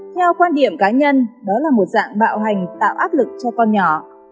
theo quan điểm cá nhân đó là một dạng bạo hành tạo áp lực cho con nhỏ